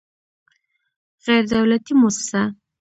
غیر دولتي موسسه